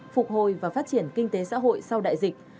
phục hồi và phát triển kinh tế xã hội sau đại dịch